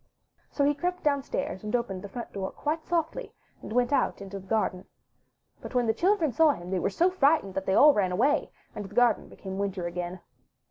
So he crept downstairs and opened the front door quite softly, and went out into the garden. But when the children saw him they were so frightened that they all ran away, and the garden became winter again.